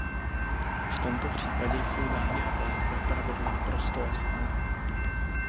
V tomto případě jsou, dámy a pánové, pravidla naprosto jasná.